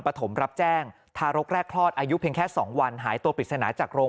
ปฐมรับแจ้งทารกแรกคลอดอายุเพียงแค่๒วันหายตัวปริศนาจากโรง